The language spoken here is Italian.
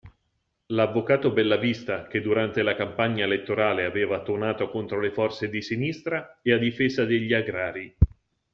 L'avvocato Bellavista che durante la campagna elettorale aveva tuonato contro le forze di sinistra e a difesa degli agrari.